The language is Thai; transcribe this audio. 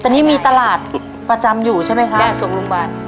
ตอนนี้มีตลาดประจำอยู่ใช่ไม่คะ